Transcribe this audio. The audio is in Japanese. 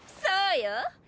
そうよ！